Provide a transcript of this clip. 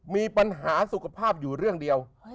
มีปัญหาสุขภาพอยู่เรื่องเดียว